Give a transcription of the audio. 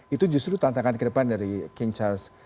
itu justru tantangan kedepan dari king charles